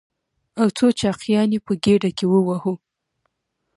او څو چاقيانې يې په ګېډه کې ووهو.